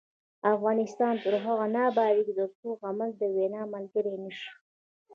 افغانستان تر هغو نه ابادیږي، ترڅو عمل د وینا ملګری نشي.